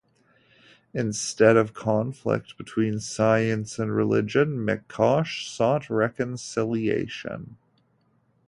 Instead of conflict between science and religion, McCosh sought reconciliation.